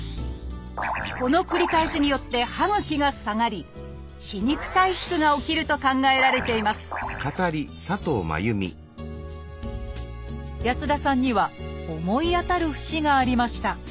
この繰り返しによって歯ぐきが下がり歯肉退縮が起きると考えられています安田さんには思い当たる節がありました。